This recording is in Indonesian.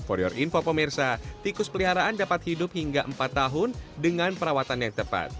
untuk informasi pemirsa tikus peliharaan dapat hidup hingga empat tahun dengan perawatan yang tepat